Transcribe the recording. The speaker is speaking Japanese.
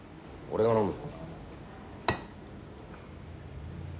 俺が飲む。